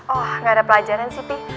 oh nggak ada pelajaran sih pi